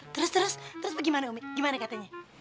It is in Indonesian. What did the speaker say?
terus terus terus gimana umi gimana katanya